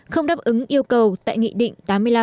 không đáp ứng yêu cầu tại nghị định tám mươi năm